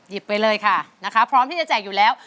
หยิบไปเลยค่ะพร้อมที่จะแจกอยู่แล้ว